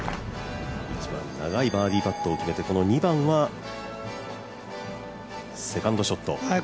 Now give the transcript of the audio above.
１番長いバーディーパットを決めて２番はセカンドショット。